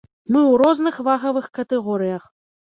Мы ў розных вагавых катэгорыях.